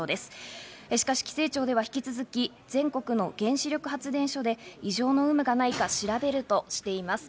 しかし規制庁では引き続き、全国の原子力発電所で異常の有無はないか調べるとしています。